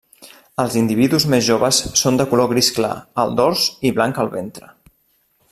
Els individus més joves són de color gris clar al dors i blanc al ventre.